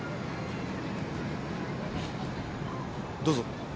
どうぞ。